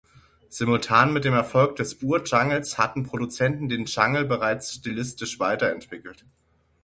Simultan mit dem Erfolg des Ur-Jungles hatten Produzenten den Jungle bereits stilistisch weiterentwickelt.